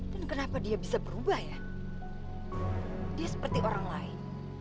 dan kenapa dia bisa berubah ya dia seperti orang lain